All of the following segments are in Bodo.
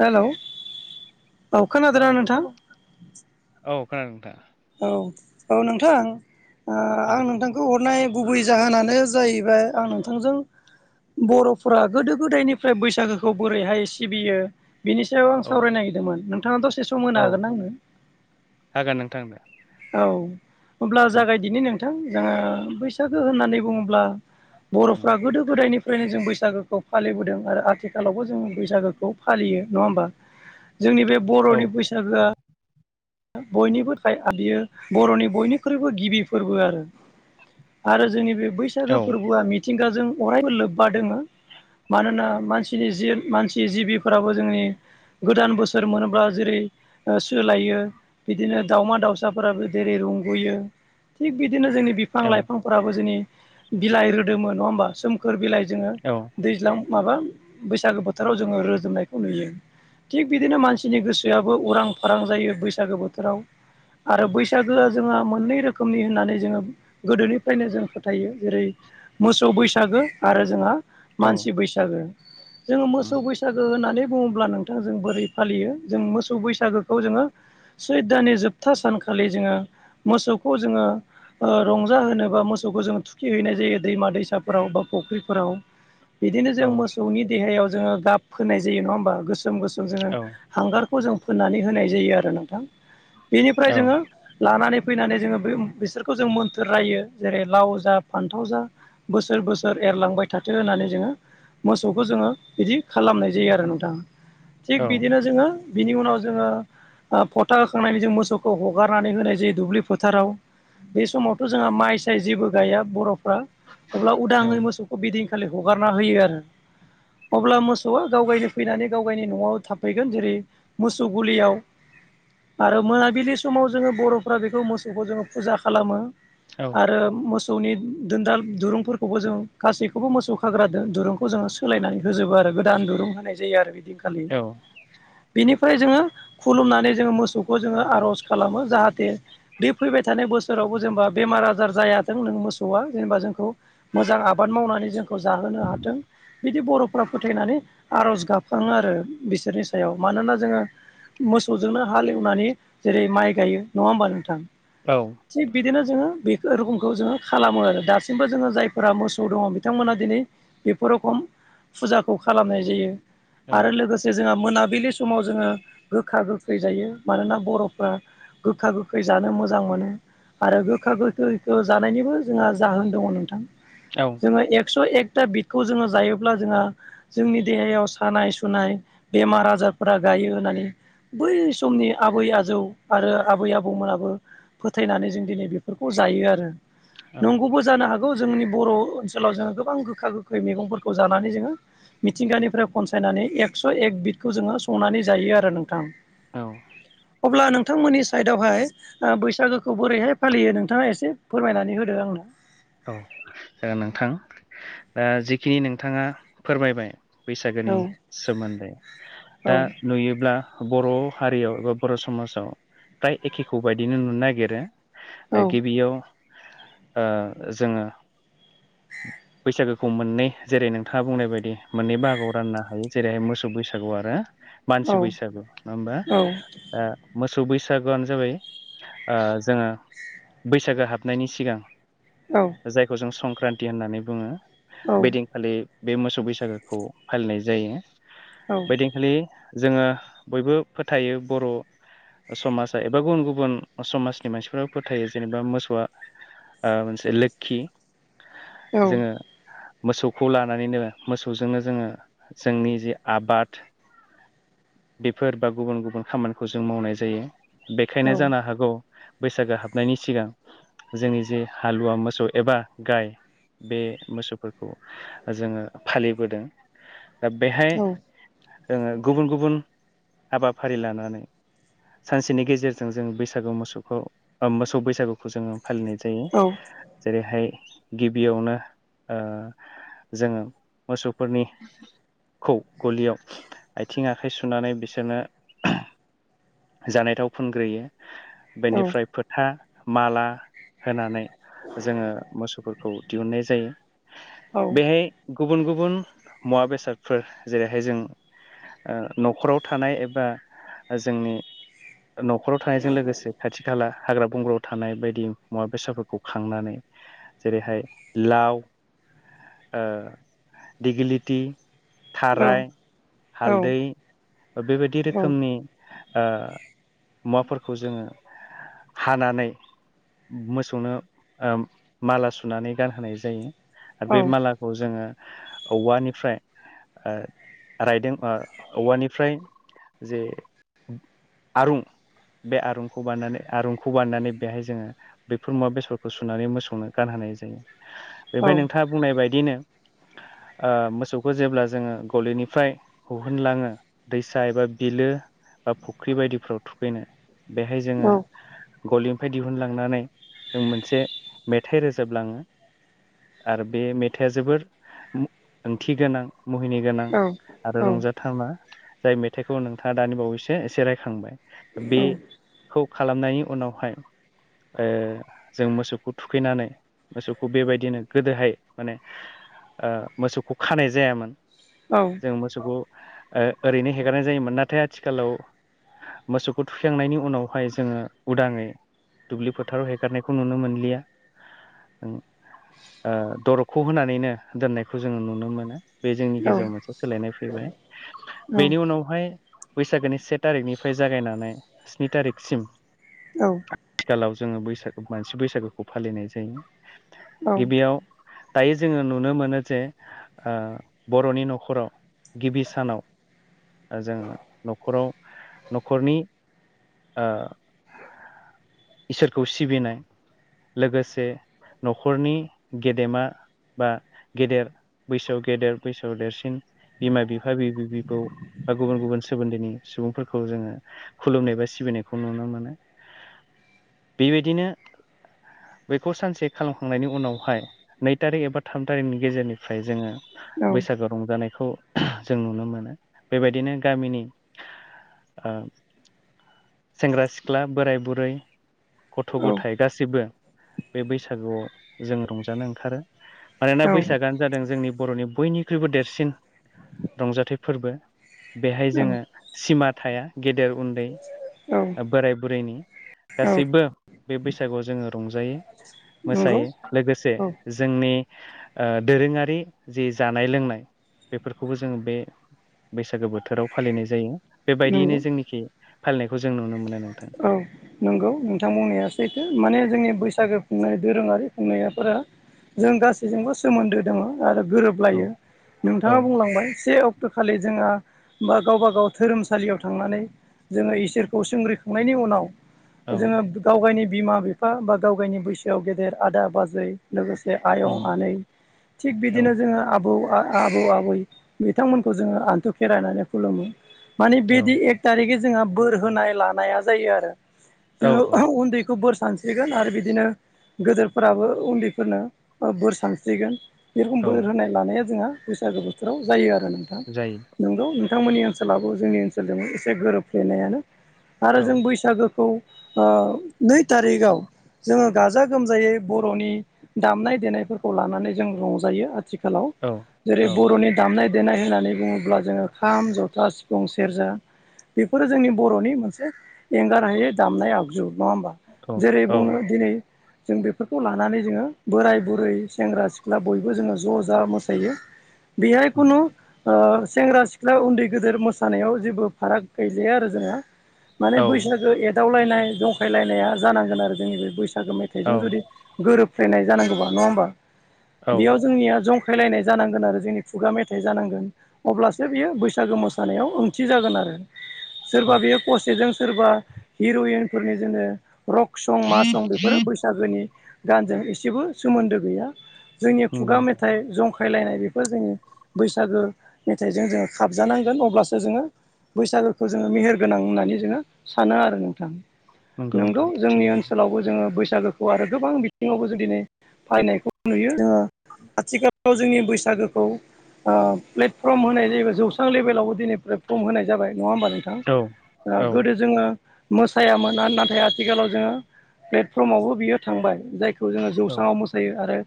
हेलौ। औ नोंथां औ खोनादों नोंथां। औ औ नोंथां आं औ नोंथां बेखौ हरनाय गुबै जाहोनानो जाहैबाय आं नोंथांजों बर'फोरा गोदो गोदायनिफ्राय बैसागोखौ बोरैहाय सिबियो बिनि सायाव आं औ सावरायनो नागिरदोंमोन नोंथाङा दसे सम औ होनो हागोन आंनो हागोन नोंथां। औ हब्ला उम जागायदिनि नोंथां जोङो बैसागो होननानै बुङोब्ला औ बर'फ्रा गोदो गोदायनिफ्रायनो जों बैसागोखौ फालिबोदों आरो आथिखाल आखालावबो जोङो बैसागोखौ फालियो नङा होमबा जोंनि बे औ बर'नि बैसागोआ बयनिबो बियो बर'नि बयनिख्रुइबो गिबि फोरबो आरो। आरो जोंनि बे बैसागो औ फोरबोआ मिथिंगाजों अरायबो लोब्बा दोङो मानोना मानसिनि जि मानसि जिबिफोराबो जोंनि गोदान बोसोर मोनोब्ला जेरै सोलायो बिदिनो दाउमा दाउसाफोराबो जेरै रंग'यो थिग बिदिनो जोंनि बिफां औ लाइफां फोराबो जोंनि बिलाइ रोदोममोन नङा होमबा सोमखोर बिलाइ जोङो औ दैज्लां माबा बैसागो बोथोराव जोङो रोजोबनायखौ नुयो थिग बिदिनो मानसिनि गोसोआबो उरां फारां जायो बैसागो बोथोराव आरो बैसागोआ जोङो मोननै रोखोमनि होननानै जोङो गोदोनिफ्रायनो जों फोथायो जेरै मोसौ बैसागो आरो जोंहा औ मानसि बैसागु जोङो उम मोसौ बै बैसागो होननानै बुङोब्ला नोंथां जों बोरै फालियो जों मोसौ बैसागोखौ जोङो सैदानि जोबथा सानखालि जोङो मोसौखौ जोङो रंजा होनोबा मोसौखौ जोङ थुखिहैनाय जायो दैमा दैसाफोराव बा फुख्रिफोराव बिदिनो जों औ मोसौनि देहायाव जोङो गाब होनाय जायो नङा होमबा गोसोम गोसोम जोङो औ हांगारखौ जों फोननानै होनाय जायो आरो नोंथां बेनिफ्राय औ जोङो लानानै फैनानै जोङो बे बिसोरखौ जों मोन्थोर रायो जेरै लाव जा फान्थाव जा बोसोर बोसोर एरलांबाय थाथों होननानै जोङो मोसौखौ जोङो बिदि खालामनाय जायो आरो नोंथां। औ थिग बिदिनो जोङो बिनि उनाव जोङो खुथा होखांनायनि जों मोसौखौ हगारनानै होनाय जायो दुब्लि फोथाराव बे समावथ' जोंहा माइ साय जेबो गया बर'फ्रा अब्ला उदाङै औ औ मोसौ बिदिंखालि हगारना होयो आरो। अब्ला मोसौआ गाव गायनो फैनानै गाव गायनि न'आव थाफैगोन जेरै मोसौ गलियाव आरो मोनाबिलि समाव जोङो बर'फ्रा बेखौ मोसौखौ जोङो फुजा खालामो आरो। औ मोसौनि दोनदाल दुरुंफोरखौबो जों गासैखौबो मोसौ खाग्रा दुरुं खौ जोङो सोलायनानै होजोबो आरो गोदान दुरुं होनाय जायो आरो बिदि औ औ बेनिफ्राय जोङो खुलुमनानै जो मस थौखौ जोङो आर'ज खालामो जाहाथे बे फैबाय थानाय बोसोरावबो जेनेबा बेमार आजार जायाथों नों मोसौआ जेनेबा जोंखौ मोजां आबाद मावनानै जोंखौ जाहोनो हाथों बिदि बर'फ्रा फोथायनानै आर'ज गाबखाङो आरो बिसोरनि सायाव मानोना जोङो मोसौजोंनो हालेवनानै जेरै माइ गायो नङा होमबा नोंथां? औ थिग बिदिनो जोङो बेखौ रोखोमखौ जोङो खालामो आरो दासिमबो जोङो जायफोरा मोसौ दङ बिथांमोना दिनै बेफोर रखम फुजाखौ खालामनाय जायो। आरो लोगोसे जोंहा मोनाबिलि समाव जोङो गोखा गो खै जायो मानोना बर'फ्रा गोखा गोखै जानो मोजां मोनो। आरो गोखा गोखैखौ जानायनिबो जोंहा जाहोन दङो नोंथां। औ जोङो एक्स' एकथा बिदखौ जोङो जायोब्ला जोंहा। जोंनि देहायाव सानाय सुनाय बेमार आजारफोरा गायो होननानै बै समनि आबै आजौ आरो आबै आबौमोनाबो फोथायनानै जों दिनै बेफोरखौ जायो आरो। नंगौबो जानो हागौ जोंनि बर' ओनसोलाव जोङो गोबां गोखा गोखै मेगंफोरखौ जानानै जोङो मिथिंगानिफ्राय खनसायनानै एक्स' एक बिदखौ जोङो संनानै जायो आरो नोंथां। औ अब्ला नोंथांमोननि साइडआवहाय ओ बैसागुखौ बोरैहाय फालियो नोंथाङा एसे फोरमायनानै होदो आंनो। औ नोंथां ओ जिखिनि नोंथांङा फोरमायबाय बैसागुनि औ सोमोन्दै औ दा नुयोब्ला बर' हारियाव एबा बर' समाजाव फ्राय एखेखौ बदिनो नुनो नागिरो औ गिबियाव ओ जोङो [inaudible] बैसागुखौ मोननै जेरै नोंथांङा बुंनाय बायदि मोननै बाहागोआव राननो हायो जेरै- मोसौ बैसागु आरो मानसि औ बैसागु नङा होमबा? औ ओ मोसौ बैसागुआनो जाबाय ओ जोङो बैसागु हाबनायनि सिगां औ जायखौ जों संक्रान्ति होननानै बुङो बिदिन खालि बे मोसौ बैसागुखौ फालिनाय जायो। बैदिनखालि जोङो बयबो फोथायो बर' समाजा एबा गुबुन गुबुन समाजनि मानसिफोरा फोथायो जेनेबा मोसौआ मोनसे लोकखि जोङो मोसौखौ लानानैनो मोसौजोंनो जोङो जोंनि जि आबाद बेफोर बा गुबुन गुबुन खामानिखौ जों मावनाय जायो। बेखायनो जानो हागौ बैसागु हाबनायनि सिगां जोंनि जे हालुवा मोसौ एबा गाइ बे मोसौफोरखौ जोङो फालिबोदों दा बेहाय जोङो गुबुन गुबुन हाबाफारि लानानै सानसेनि गेजेरजों जोङो बैसागु मोसौखौ ओ मोसौ बैसागुखौ जोङो फालिनाय जायो। औ जेरैहाय गिबियावनो ओ जोङो मोसौफोरनि खौ गलियाव आथिं आखाइ सुनानै बिसोरनो जानायथाव फुनग्रोयो बेनिफ्राय फोथा माला होनानै जोङो मोसौफोरखौ दिहुननाय जायो। बेहाय गुबुन गुबुन मुवा बेसादफोर जेरैहाय जों ओ न'खराव थानाय एबा जोंनि न'खराव थानायजों लोगोसे खाथि खाला हाग्रा बंग्रायाव थानाय बायदि मुवा बेसाद- खौ खांनानै जेरैहाय लाव दिगिलिटि थाराय हालदै बेबायदि रोखोमनि मुवाफोरखौ जोङो हानानै मोसौनो माला सुनानै गानहोनाय जायो आरो बे माला खौ जोङो औवानिफ्राय ओ रायदों ओ औवानिफ्राय जे आरुं बे आरुंखौ बानायनानै आरुंखौ बानायनानै बेहाय जोङो बेफोर मुआबेसाद सुनानै मोसौनो गानहोनाय जायो बेनिफ्राय नोंथाङा बुंनाय बयदिनो मोसौखौ जेब्ला जोङो गलिनिफ्राय हहुनलाङो दैसा एबा बिलो बा फुख्रि बायदिफ्राव थुखैनो बेहाय जोङो गलिनिफ्राय दिहुनलांनानै जों मोन से मेथाइ रोजाबलाङो आरो बे मेथाया जोबोर ओंथि गोनां मुहिनि गोनां आरो रंजा नोंथां मा जाय मेथाइखौ नोंथाङा दानि बावैसो एसे रायखांबाय बे खौ खालामनायनि उनावहाय जों मोसौखौ थुखैनानै मोसौखौ बेबायदिनो गोदोहाय माने मोसौखौ खानाय जायामोन औ जों मोसौखौ ओरैनो हेगारनाय जायोमोन नाथाय आथिखालाव मोसौखौ थुखांनायनि उनावहाय जोङो उदाङै दुब्लि फोथाराव हेगारनाय खौ नुनो मोनलिया दरकखौ होनानैनो दोननायखौ जोङो नुनो मोनो बे जोंनि गेजेराव मोनसे सोलायनाय फैबाय बेनि उनावहाय बैसागोनि सेट थारिकनिफ्राय जागायनानै स्नि तारिकसिम औ आथिखालाव जोङो बैसागो मानसि बैसागोखौ फालिनाय जायो औ औ गिबियाव दायो जोङो नुनो मोनो जे बर'नि न'खराव गिबि सानाव जोंङ न'खराव न'खरनि इसोरखौ सिबिनाय लोगोसे नखरनि गेदेमा बा गेदेर बैसोआव गेदेर बैसोआव देरसिन बिमा बिफा बिबै बिबौ बा गुबुन गुबुन सोमोन्दोनि सुबुंफोरखौ जोङो खुलुमनाय बा सिबिनायखौ नुनो मोनो बेबायदिनो बेखौ सानसे खालामखांनायनि उनावहाय नै थारिख एबा थाम थारिखनि गेजेरनिफ्राय जोङो बैसाग रंजानायखौ जों नुनो मोनो बेबायदिनो गामिनि सेंग्रा सिख्ला बोराय बुरै गथ' औ गथायाइ गासिबो बे बैसागुआव जों रंजानो ओंखारो मानोना बैसागआानो जादों जोंनि बर'नि बयनिख्रुइबो देरसिन रंजाथाइ फोरबो बेहाय जोङो सिमा थाया गेदेर उन्दै बोराय बुरैनि गासैबो बे बैसागुआव जोङो रंजायो नंगौ मोसायो लोगोसे औ जोंनि दोरोङारि जि जानाय लोंनाय बेफोरखौबो जोङो बे बैसागो बोथोराव फालिनाय जायो बेबायदियैनो नंगौ जोंनिखि फालिनायखौ जों नुनो मोनो नोंथां औ नंगौ नोंथां बुंनायासैथो माने जोंनि बैसागो खुंनाय दोरोङारि खुंनायाफोरा जों गासैजोंबो सोमोन्दो दङ आरो औ गोरोबलायो नोंथाङा औ बुंलांबाय से अक् सक्त' खालि जोंहा बा गावबाागाव धोरोमसालियाव थांनानै जोङो इसोरखौ संग्रि नायनि उनाव जोङो गावगायनि बिमा बिफा बा गावगायनि बैसोआव गेदेर आदा बाजै लोगोसे उम आयं आनै थिग औ बिदिनो जोङो आबौ आ आबौ आबै बिथांमोनखौ जोङो आन्थु खेरायनानै खुलुमो मानि औ बिदि एक थारिकै जोंहा बोर होनाय लानाया जायो आरो औ जोङो औ उन्दैखौ बोर सान स्रिगोन आरो बिदिनो गोदोरफोराबो उन्दैफोरनो बोर सानस्रिगोन बे रखम औ बोर होनाय लानाया जोंहा बैसागो बोथोराव जायो आरो नोंथां जायो औ नोंथांमोननि ओनसोलाबो जोंनि ओनसोलजों एसे गोरोबफ्लेनायानो आरो औ जों बैसागोखौ ओ नै तारिगआव जोङो गाजा गोमजायै बरनि दामनाय देनायफोरखौ लानानै जों रंजायो आरो आथिखालाव औ जेरै औ बरनि दामनाय देनाय होननानै बुङोब्ला जोङो खाम जथा सिफुं सेरजा बेफोरो जोंनि बरनि मोनसे से एंगारहायै दामनाय आगजु नङा होमबा औ जेरै बुंनो दिनै जों बेफोरखौ लानानै जोङो बोराय बुरै सेंग्रा सिख्ला बयबो जोङो ज जा मोसायो। बिहाय कुनु ओ सेंग्रा सिख्ला उन्दै गेदेर मोसानायाव जेबो फाराग गैलिया आरो जोंहा माने औ बैसागो एदावलायनाय जंखायलायनाया जानांगोन आरो जोंनि बे बैसागो औ मेथाइजों जुदि गोरोबफ्लेनाय जानांगौबा नङा होमबा औ बेयाव जोंनिया जं फैलायनाय जानांगोन आरो जोंनि खुगा मेथाइ जानांगोन। अब्लासो बियो बैसागो मोसानायाव ओंथि जागोन आरो औ सोरबा बेयो पसेजों सोरबा हिरयिनफोरनि जोङो रक सं मा सं बेफोरो बैसागोनि गानजों एसेबो सोमोन्दो गैया। जोंनि नंगौ खुगा नोंथां मेथाइ जंखाय--‌ फैलायनाय बेफोर जोंनि बैसागो मेथाइजों जोङो खाबजानांगोन अब्लासो जोङो बैसागोखौ जोङो मेहेर गोनां होननानै जो जोङो सानो आरो नोंथां नंगौ नोंगौ नोंथां जोंनि थिगानो ओनसोलावबो जोङो बैसागोखौ आरो गोबां बिथिङावबो जुदि नै फालिनायखौ नुयो ओ आथिखालाव औ जोंनि बैसागोखौ ओ प्लेटफ्रम होनाय जायोबा जौस्रां लेभेलावबो दिनै प्लेटफ्रम होनाय जाबाय नङा होमबा नोंथां। औ आ औ गोदो जोङो मोसायामोन नाथाय आथिखालाव जोङो प्लेटफ्रमावबो बियो थांबाय जायखौ खौ जोङो औ जौस्रांआव मोसायो आरो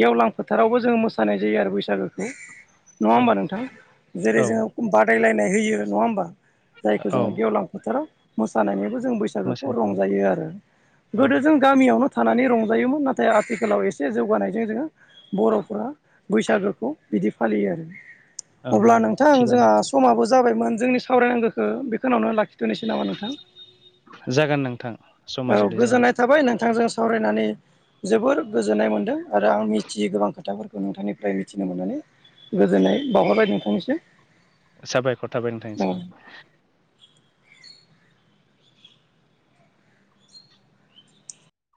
गेवलां फोथारावबो जोङो मोसानाय जायो आरो बैसागोखौ। नङा औ होमबा नोंथां? जेरै औ जोङो बादायलायनाय होयो नङा होमबा जायखौ औ जोङो गेवलां बोथोराव मोसानायनिबो जों बैसागोखौ मोसानो रंजायो आरो औ गोदो जों गामियावनो थानानै रंजायोमोन नाथाय आथिखालाव एसे जौगानायजों जोङो बरफोरा बैसागोखौ बिदि फालियो आरो अब्ला नंगौ नोंथां थिगानो जोंहा समाबो जाबायमोन जोंनि सावरायनांगोखो बेखोनावनो लाखिथनोसै नामा नोंथां। जागोन नोंथां समा औ जुदि जाबाय गोजोननाय थाबाय नोंथांजों सावरायनानै। जोबोर गोजोननाय मोनदों आरो आं मिथियो गोबां खोथाफोरखौ। नोंथांनिफ्राय मिथिनो मोननानै गोजोननाय बावहरबाय नोंथांनिसिम। साबायखर थाबाय औ नोंथांनिसिम